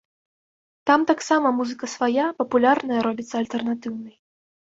Там таксама музыка свая, папулярная робіцца альтэрнатыўнай.